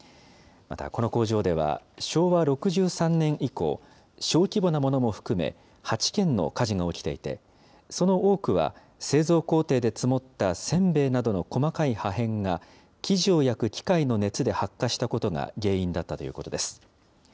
またこの工場では、昭和６３年以降、小規模なものも含め８件の火事が起きていて、その多くは製造工程で積もったせんべいなどの細かい破片が、生地を焼く機械の熱で発火したことが原因だったということです。